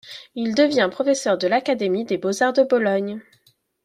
Il devient professeur de l'Académie des Beaux-Arts de Bologne.